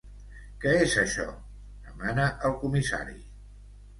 Què és això? —demana el comissari.